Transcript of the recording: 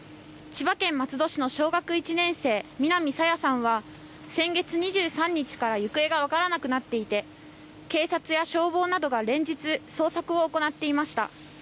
千葉県松戸市の小学１年生、南朝芽さんは先月２３日から行方が分からなくなっていて警察や消防などが連日捜索を行っていました。